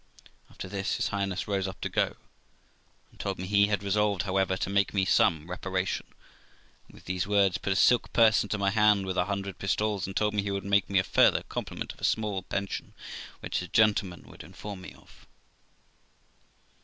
After this his Highness rose up to go, and told me he had resolved, however, to make me some reparation ; and with these words put a silk purse into my hand with a hundred pistoles, and told me he would make me a farther compliment of a small pension, which his gentleman would inform me of.